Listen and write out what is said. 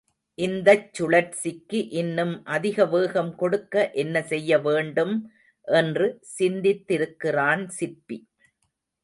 இந்தச் சுழற்சிக்கு இன்னும் அதிக வேகம் கொடுக்க என்ன செய்ய வேண்டும் என்று சிந்தித்திருக்கிறான் சிற்பி.